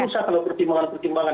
susah kalau pertimbangan pertimbangan